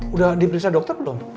udah diperiksa dokter belum